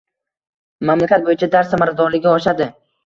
Mamlakat bo‘yicha dars samaradorligi oshadi.